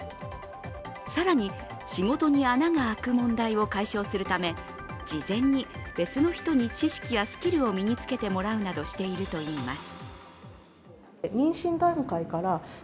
更に仕事に穴があく問題を解消するため事前に別の人に知識やスキルを身につけてもらうなどしているといいます。